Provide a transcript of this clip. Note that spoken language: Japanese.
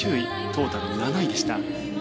トータル７位でした。